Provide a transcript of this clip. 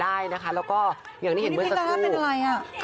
ค่ะนะคะก็อย่างที่บอกไปนะคะ